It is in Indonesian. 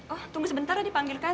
oh tunggu sebentar ya dipanggilkan